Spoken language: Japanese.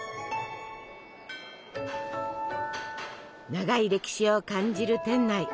長い歴史を感じる店内。